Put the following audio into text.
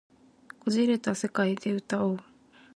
捻れた世界で歌おう